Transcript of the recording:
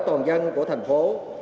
toàn dân của thành phố